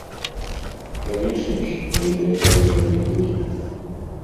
Канечне ж, нейкае замірэнне будзе.